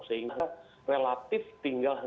sehingga relatif tinggal